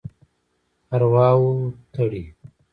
ارواحو تړي.